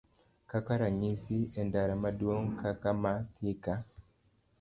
Kaka ranyisi, e ndara maduong' kaka ma Thika,